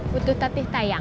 butuh tatih tayang